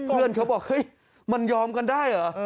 เขาบอกเฮ้ยมันยอมกันได้เหรอ